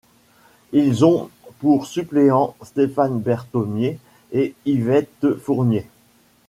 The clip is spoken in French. Ils ont pour suppléants Stéphane Berthomier et Yvette Fournier.